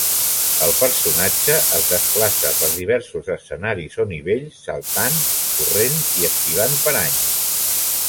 El personatge es desplaça per diversos escenaris o nivells saltant, corrent i esquivant paranys.